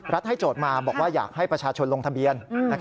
ให้โจทย์มาบอกว่าอยากให้ประชาชนลงทะเบียน